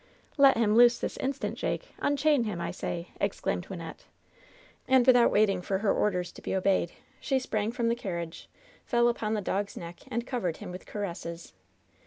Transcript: "Let him loose this instant, Jake! Unchain him, I say!" exclaimed Wynnette. And without waiting for her orders to be obeyed, she sprang from the carriage, fell upon the dog's neck, and covered him with caresses.